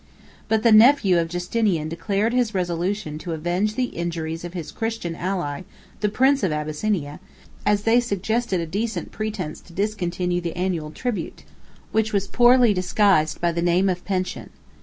4 But the nephew of Justinian declared his resolution to avenge the injuries of his Christian ally the prince of Abyssinia, as they suggested a decent pretence to discontinue the annual tribute, which was poorly disguised by the name of pension.